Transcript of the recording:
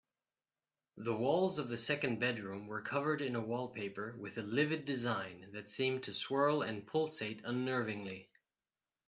The walls of the second bedroom were covered in a wallpaper with a livid design that seemed to swirl and pulsate unnervingly.